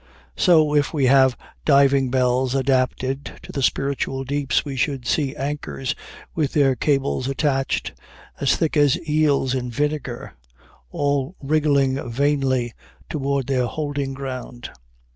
So, if we had diving bells adapted to the spiritual deeps, we should see anchors with their cables attached, as thick as eels in vinegar, all wriggling vainly toward their holding ground.